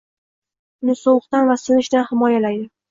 Uni sovuqdan va sinishidan himoyalaydi.